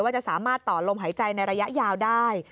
จะสามารถต่อลมหายใจในระยะยาวได้